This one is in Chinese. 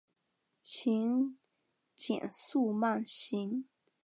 请减速慢行